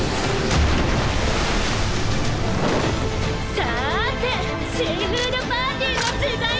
さてシーフードパーティーのじかんよ！